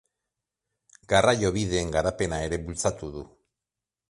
Garraiobideen garapena ere bultzatu du.